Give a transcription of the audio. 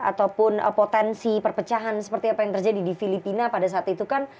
ataupun potensi perpecahan seperti apa yang terjadi di filipina pada saat itu kan